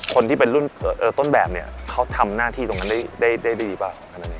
คนที่เป็นต้นแบบเขาทำหน้าที่ตรงนั้นได้ดีหรือเปล่า